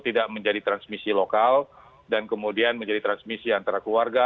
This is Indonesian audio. tidak menjadi transmisi lokal dan kemudian menjadi transmisi antara keluarga